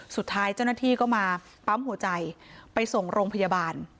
สุดท้ายเจ้าหน้าที่ก็มาปั๊มหัวใจไปส่งโรงพยาบาล